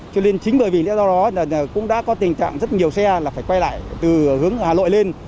cho nên chính bởi vì do đó cũng đã có tình trạng rất nhiều xe là phải quay lại từ hướng hà nội lên